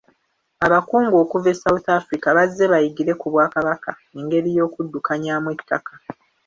Abakungu okuva e South Africa bazze bayigire ku Bwakabaka engeri y'okuddukanyamu ettaka.